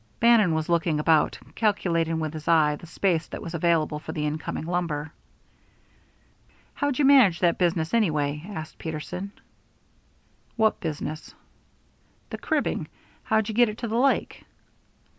Bannon was looking about, calculating with his eye the space that was available for the incoming lumber. "How'd you manage that business, anyway?" asked Peterson. "What business?" "The cribbing. How'd you get it to the lake?"